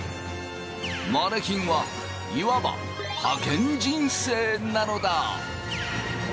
マネキンはいわばハケン人生なのだ。